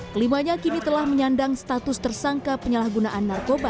kelimanya kini telah menyandang status tersangka penyalahgunaan narkoba